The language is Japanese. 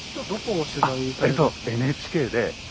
ＮＨＫで。